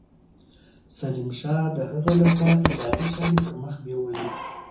سلیم شاه د هغه له خوا اداري چارې پرمخ بېولې.